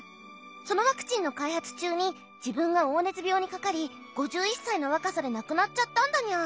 そのワクチンの開発中に自分が黄熱病にかかり５１歳の若さで亡くなっちゃったんだにゃ。